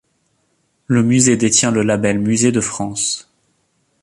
Le musée détient le label musée de France.